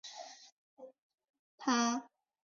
他现在效力于英超球队沃特福德足球俱乐部。